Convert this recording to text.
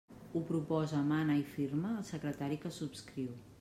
Ho proposa, mana i firma el secretari que subscriu.